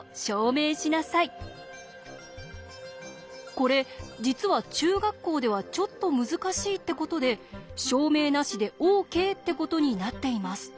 これ実は中学校ではちょっと難しいってことで証明なしでＯＫってことになっています。